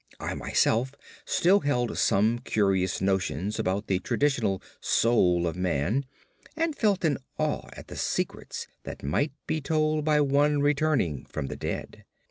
I, myself, still held some curious notions about the traditional "soul" of man, and felt an awe at the secrets that might be told by one returning from the dead.